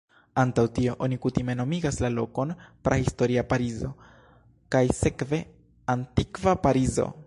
Antaŭ tio, oni kutime nomigas la lokon "Prahistoria Parizo", kaj sekve "Antikva Parizo".